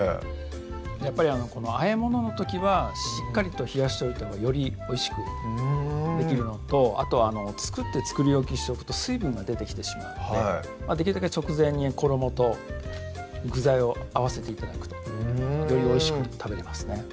やっぱり和え物の時はしっかりと冷やしておいたほうがよりおいしくできるのとあと作って作り置きしておくと水分が出てきてしまうのでできるだけ直前に衣と具材を合わせて頂くとよりおいしく食べれますね